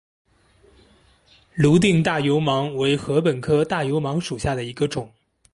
泸定大油芒为禾本科大油芒属下的一个种。